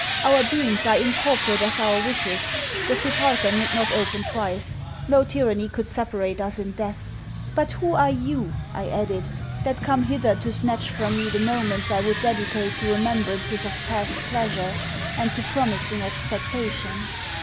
Our beings are incorporate as our wishes. The sepulchre need not open twice. No tyranny could separate us in death. But who are you,' I added, 'that come hither to snatch from me the moments I would dedicate to remembrances of past pleasure, and to promising expectation?'